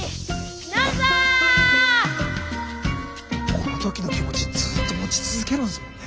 この時の気持ちずっと持ち続けるんですもんね。